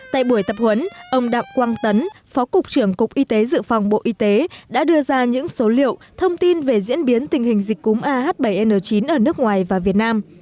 tại buổi tập huấn ông đặng quang tấn phó cục trưởng cục y tế dự phòng bộ y tế đã đưa ra những số liệu thông tin về diễn biến tình hình dịch cúm ah bảy n chín ở nước ngoài và việt nam